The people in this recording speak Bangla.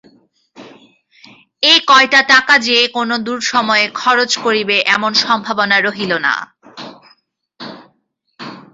এ কয়টা টাকা যে কোনো দুঃসময়ে খরচ করিবে এমন সম্ভাবনা রহিল না।